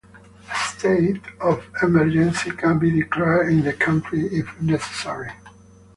A state of emergency can be declared in the country if necessary.